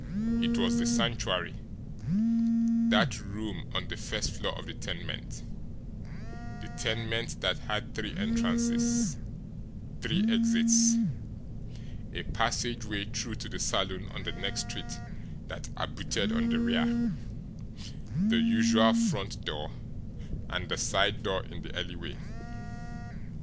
It was the Sanctuary, that room on the first floor of the tenement, the tenement that had three entrances, three exits a passageway through to the saloon on the next street that abutted on the rear, the usual front door, and the side door in the alleyway.